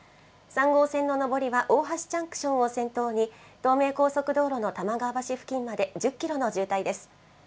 ３号線の上りは大橋ジャンクションを先頭に、東名高速道路のたまがわ橋付近まで１０キロの渋滞です。